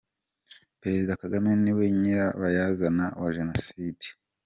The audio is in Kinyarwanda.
-Perezida Kagame niwe nyirabayazana wa jenoside